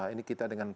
ini kita dengan